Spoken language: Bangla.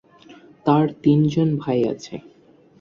তার তিনজন ভাই আছে।